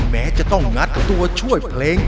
แม้จะต้องงัดตัวช่วยเพลง